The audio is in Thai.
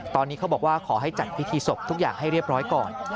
ตอนนี้เขาบอกว่าขอให้จัดพิธีศพทุกอย่างให้เรียบร้อยก่อน